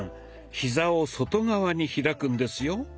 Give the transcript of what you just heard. ヒザを外側に開くんですよ。